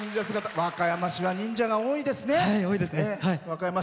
和歌山市は忍者が多いですね。